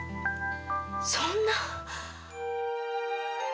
そんな。